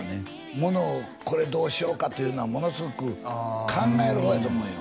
ものをこれどうしようかというのはものすごく考えるほうやと思うよ